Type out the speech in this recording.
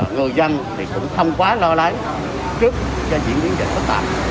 người dân thì cũng không quá lo lắng trước cái diễn biến dịch phức tạp